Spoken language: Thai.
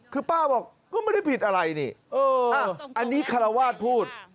คือป้าบอกก็ไม่ได้ผิดอะไรนี่อันนี้คารวาสพูด